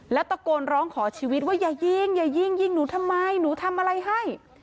แล้วตะโกนร้องขอชีวิตว่าอย่ายิงอย่ายิงยิงหนูทำไมหนูทำอะไรให้